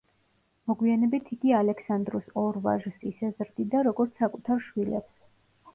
მოგვიანებით იგი ალექსანდრუს ორ ვაჟს ისე ზრდიდა, როგორც საკუთარ შვილებს.